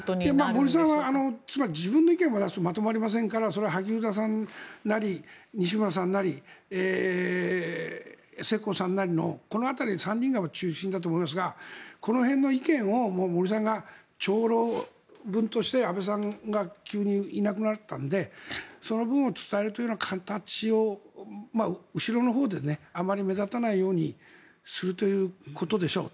森さんはつまり自分の意見を出すとまとまりませんから萩生田さんなり西村さんなり世耕さんなりのこの辺り３人が中心だと思いますがこの辺の意見を森さんが長老分として安倍さんが急にいなくなったのでその分を伝えるという形を後ろのほうであまり目立たないようにするということでしょう。